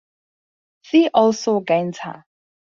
See also Ghanta.